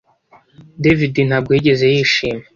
David ntabwo yigeze yishima